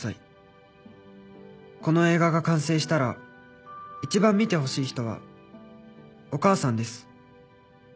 「この映画が完成したら一番観て欲しい人はお母さんです」